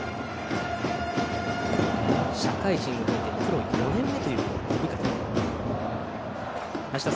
社会人を経てプロ４年目という小深田。